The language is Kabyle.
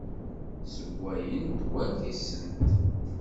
Ssewwayent war tisent.